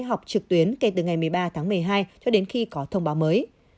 họp trực tuyến kể từ ngày một mươi ba tháng một mươi hai cho đến khi có thông báo mới